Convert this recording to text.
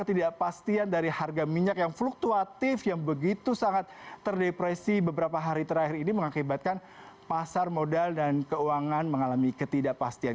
ketidakpastian dari harga minyak yang fluktuatif yang begitu sangat terdepresi beberapa hari terakhir ini mengakibatkan pasar modal dan keuangan mengalami ketidakpastian